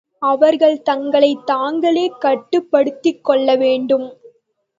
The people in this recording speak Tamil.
அவர்கள் தங்களைத் தாங்களே கட்டுப்படுத்திக் கொள்ளவேண்டும்.